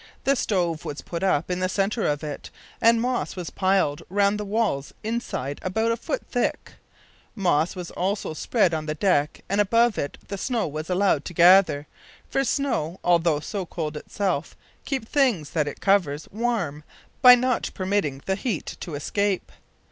The stove was put up in the centre of it, and moss was piled round the walls inside about a foot thick. Moss was also spread on the deck, and above it the snow was allowed to gather, for snow, although so cold itself, keeps things that it covers warm, by not permitting the heat to escape.